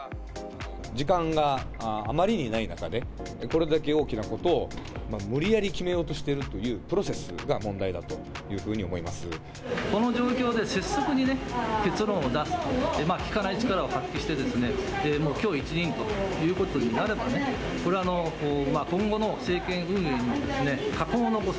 時間があまりにない中で、これだけ大きなことを無理やり決めようとしているというプロセスこの状況で拙速にね、結論を出す、聞かない力を発揮してですね、もうきょう一任ということになればね、これは今後の政権運営に禍根を残す。